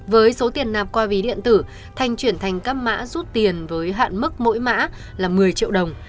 với số tiền nạp qua ví điện tử thanh chuyển thành các mã rút tiền với hạn mức mỗi mã là một mươi triệu đồng